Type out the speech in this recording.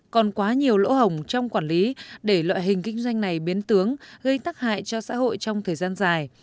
còn quá nhiều lỗ hồng trong quản lý để loại hình kinh doanh này biến tướng gây tắc hại cho xã hội trong thời gian dài